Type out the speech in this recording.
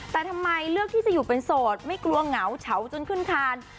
แต่ทำไมเลือกที่จะอยู่เป็นโสดไม่กลัวเหงาเฉาจนขึ้นคาน